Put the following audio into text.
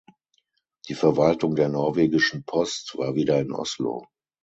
Die Verwaltung der norwegischen Post war wieder in Oslo.